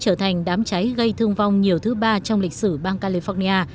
trở thành đám cháy gây thương vong nhiều thứ ba trong lịch sử bang california